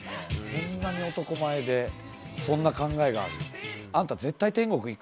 こんなに男前でそんな考えがある。